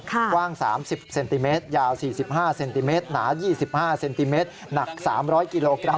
กว้าง๓๐เซนติเมตรยาว๔๕เซนติเมตรหนา๒๕เซนติเมตรหนัก๓๐๐กิโลกรัม